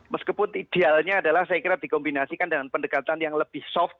meskipun idealnya adalah saya kira dikombinasikan dengan pendekatan yang lebih soft